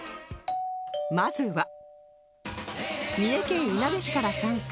まずは三重県いなべ市から参加